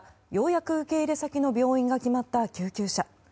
ようやく受け入れ先の病院が決まった救急車。